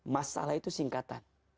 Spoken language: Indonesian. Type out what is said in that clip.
masalah itu singkatan